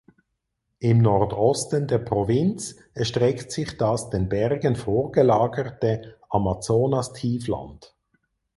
Im Nordosten der Provinz erstreckt sich das den Bergen vorgelagerte Amazonastiefland.